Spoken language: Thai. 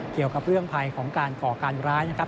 เกี่ยวกับเรื่องภัยของการก่อการร้ายนะครับ